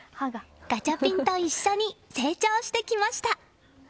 ガチャピンと一緒に成長してきました。